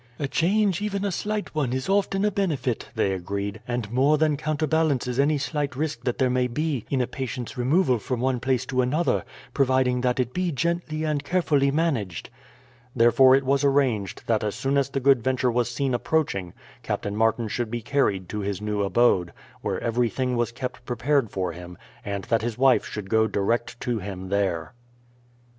"A change, even a slight one, is often a benefit," they agreed; "and more than counterbalances any slight risk that there may be in a patient's removal from one place to another, providing that it be gently and carefully managed." Therefore it was arranged that as soon as the Good Venture was seen approaching, Captain Martin should be carried to his new abode, where everything was kept prepared for him, and that his wife should go direct to him there.